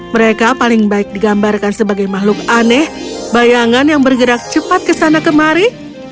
mereka paling baik digambarkan sebagai makhluk aneh bayangan yang bergerak cepat kesana kemari